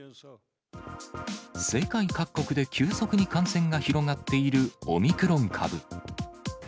世界各国で急速に感染が広がっているオミクロン株。